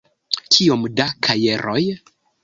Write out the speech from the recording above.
Kiom da kajeroj?